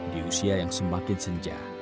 di usia yang semakin senja